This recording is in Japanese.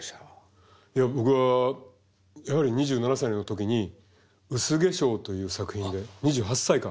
いや僕はやはり２７歳の時に「薄化粧」という作品で２８歳か。